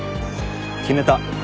決めた。